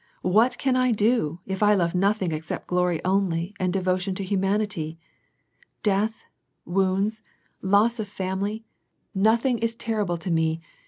what can T do, if I love nothing except glory only, and devotion to humanity. Death, wounds, loss of family, VOL. 1. — 21. 322 WAR AND PBACB. nothing is terrible to me.